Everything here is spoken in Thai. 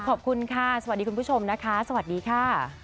ขอบคุณค่ะสวัสดีคุณผู้ชมนะคะสวัสดีค่ะ